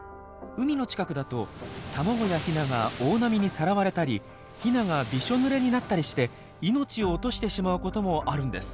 海の近くだと卵やヒナが大波にさらわれたりヒナがびしょぬれになったりして命を落としてしまうこともあるんです。